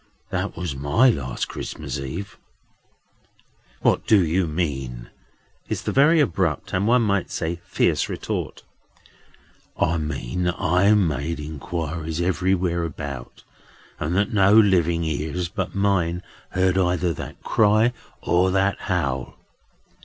That was my last Christmas Eve." "What do you mean?" is the very abrupt, and, one might say, fierce retort. "I mean that I made inquiries everywhere about, and, that no living ears but mine heard either that cry or that howl.